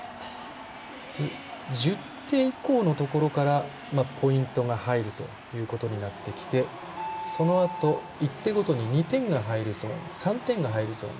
１０手以降のところからポイントが入るというところになってきてそのあと、１手ごとに２点が入るゾーン３点が入るゾーン。